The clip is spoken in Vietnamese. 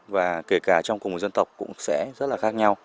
và kể cả trong cùng một dân tộc cũng sẽ rất là khác nhau